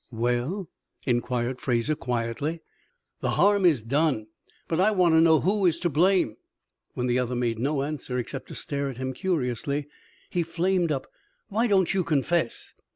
"Well?" inquired Fraser, quietly. "The harm is done, but I want to know who is to blame." When the other made no answer except to stare at him curiously, he flamed up, "Why don't you confess?"